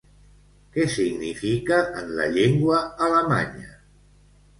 Què significa en la llengua alemanya?